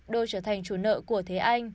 đô trở thành chủ nợ của thế anh